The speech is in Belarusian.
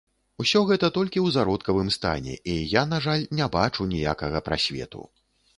Усё гэта толькі ў зародкавым стане, і я, на жаль, не бачу ніякага прасвету.